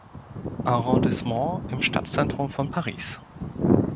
Arrondissement im Stadtzentrum von Paris.